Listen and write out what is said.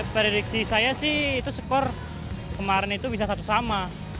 prediksi saya sih itu skor kemarin itu bisa satu sama